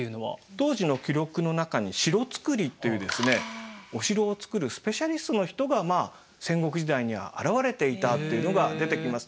当時の記録の中に城ツクリっていうですねお城を造るスペシャリストの人がまあ戦国時代には現れていたっていうのが出てきます。